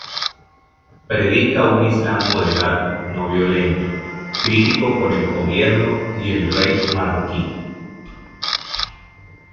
Predica un Islam moderado no violento, crítico con el gobierno y el rey marroquí.